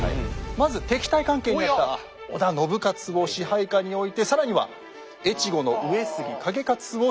まず敵対関係になった織田信雄を支配下に置いて更には越後の上杉景勝を従えます。